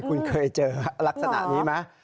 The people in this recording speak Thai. คุณเคยเจอลักษณะนี้ไหม